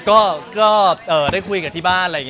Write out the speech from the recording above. ครับก็ได้คุยกับที่บ้าน